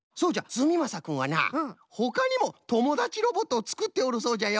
すみまさくんはなほかにもともだちロボットをつくっておるそうじゃよ。